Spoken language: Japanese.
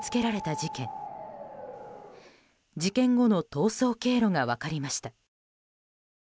事件後の逃走経路が分かりました。